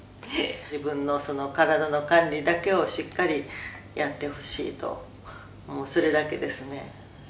「自分の体の管理だけをしっかりやってほしいともうそれだけですね」